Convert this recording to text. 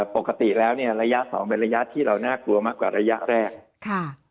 ปกติแล้วเนี่ยระยะสองเป็นระยะที่เราน่ากลัวมากกว่าระยะแรกค่ะ